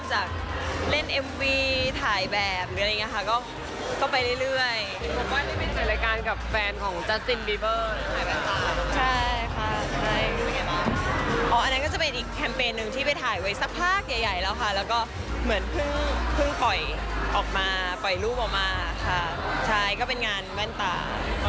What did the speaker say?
ใช่ก็เป็นงานแว่นตา